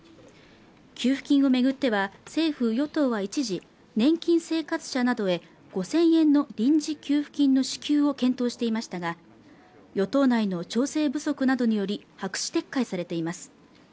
給付金をめぐっては政府与党は一時年金生活者などへ５０００円の臨時給付金の支給を検討していましたが与党内の調整不足などにより白紙撤回されています